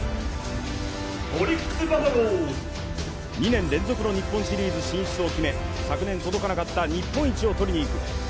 ２年連続の日本シリーズ進出を決め、昨年届かなかった日本一を取りにいく。